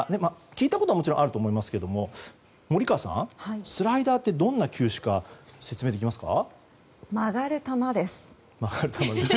聞いたことはあると思いますが森川さん、スライダーってどんな球種か説明できますか？